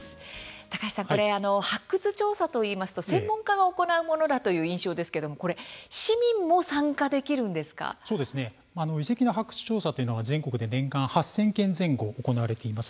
高橋さん、発掘調査といいますと専門家が行うものだという印象ですが遺跡の発掘調査というのは全国で毎年８０００件前後行われているんです。